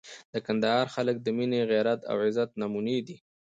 د کندهار خلک د مینې، غیرت او عزت نمونې دي.